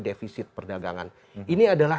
defisit perdagangan ini adalah